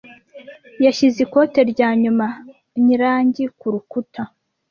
Yashyize ikote rya nyuma ryirangi kurukuta.